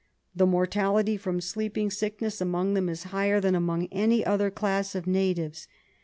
The mortality from sleeping sickness among them is higher than among any other class of natives.